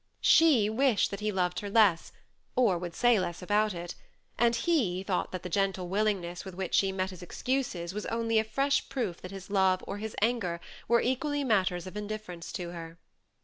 She wished that he loved her less, or would say less abqut it ; and he thought that the gentle willingness with which she met his excuses was only a fresh proof that his love or his anger were equally matters of indifference to her.